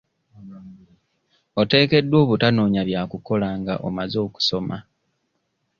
Oteekeddwa obutanoonya bya kukola nga omaze okusoma.